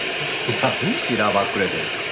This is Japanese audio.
何しらばっくれてるんですか。